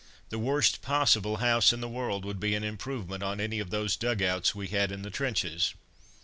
The worst possible house in the world would be an improvement on any of those dug outs we had in the trenches.